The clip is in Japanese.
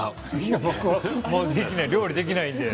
僕は料理できないので。